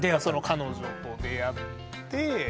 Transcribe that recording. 彼女と出会って。